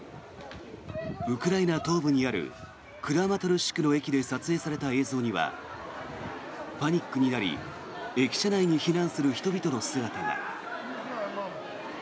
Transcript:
ウクライナ東部にあるクラマトルシクの駅で撮影された映像にはパニックになり駅舎内に避難する人々の姿が。